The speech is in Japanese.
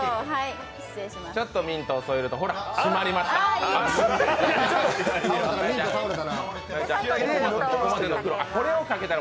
ちょっとミントを添えると、ほら締まりました。